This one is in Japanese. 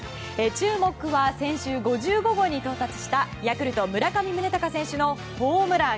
注目は先週５５号に到達したヤクルト、村上宗隆選手のホームラン。